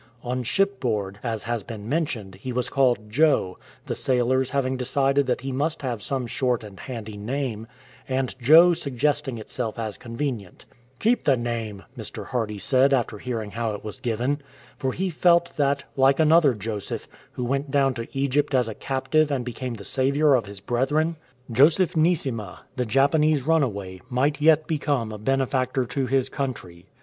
On shipboard, as has been mentioned, he was called " Joe,*" the sailors having decided that he must have some short and handy name, and "Joe" suggesting itself as convenient. " Keep the name," Mr. Hardy said after hearing how it was given. For he felt that, like another Joseph, who went down to Egypt as a captive and became the saviour of his brethren, Joseph 5S AT AMHERST AND ANDOVER Neesima, the Japanese runaway, might yet become a benefactor to his country.